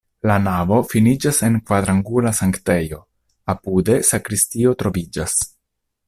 La navo finiĝas en kvarangula sanktejo, apude sakristio troviĝas.